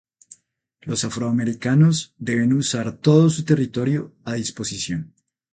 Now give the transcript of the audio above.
Los afroamericanos deben usar todo su territorio a disposición.